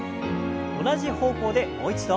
同じ方向でもう一度。